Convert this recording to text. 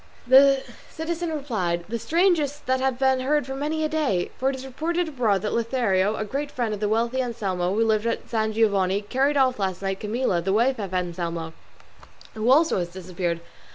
The citizen replied, "The strangest that have been heard for many a day; for it is reported abroad that Lothario, the great friend of the wealthy Anselmo, who lived at San Giovanni, carried off last night Camilla, the wife of Anselmo, who also has disappeared.